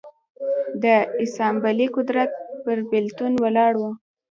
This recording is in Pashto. د اسامبلې قدرت پر بېلتون ولاړ و